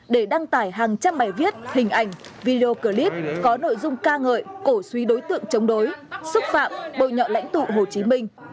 để đăng tải hàng trăm bài viết hình ảnh video clip có nội dung ca ngợi cổ suý đối tượng chống đối xúc phạm bồi nhọ lãnh tụ hồ chí minh